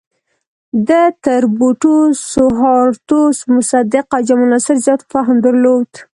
ده تر بوټو، سوهارتو، مصدق او جمال ناصر زیات فهم درلود.